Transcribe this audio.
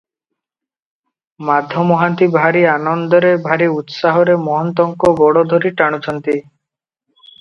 ମାଧ ମହାନ୍ତି ଭାରି ଆନନ୍ଦରେ, ଭାରି ଉତ୍ସାହରେ ମହନ୍ତଙ୍କ ଗୋଡ଼ ଧରି ଟାଣୁଛନ୍ତି ।